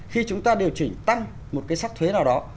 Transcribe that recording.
khi chúng ta điều chỉnh tăng một cái sắc thuế nào đó